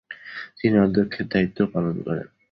তিনি অধ্যক্ষের দায়িত্বও পালন করেন।